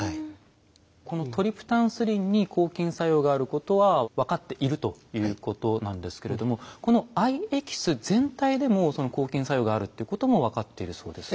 このトリプタンスリンに抗菌作用があることは分かっているということなんですけれどもこの藍エキス全体でも抗菌作用があるっていうことも分かっているそうですね？